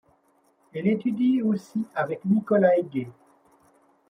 Elle étudie aussi avec Nikolaï Gay.